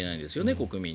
国民に。